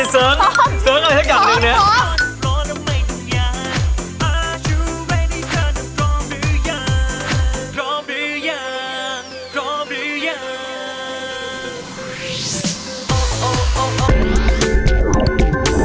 สวัสดีครับ